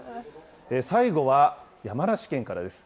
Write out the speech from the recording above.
最後は山梨県からです。